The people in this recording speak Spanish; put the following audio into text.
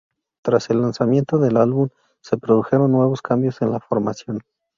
Tras el lanzamiento del álbum se produjeron nuevos cambios en la formación.